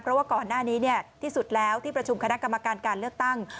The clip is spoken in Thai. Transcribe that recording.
เพราะว่าก่อนหน้านี้ที่สุดแล้วที่ประชุมคณะกรรมการการเลือกตั้ง